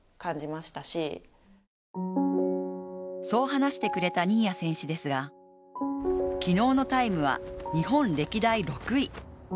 そう話してくれた新谷選手ですが昨日のタイムは日本歴代６位。